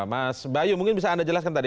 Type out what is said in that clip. mas bayu mungkin bisa anda jelaskan tadi